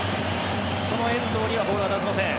その遠藤にはボールは出せません。